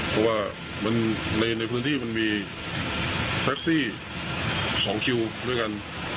เพราะว่าในพื้นที่มันมีแท็กซี่ของคิวด้วยกัน